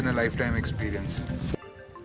dan memiliki pengalaman dalam hidup yang sekali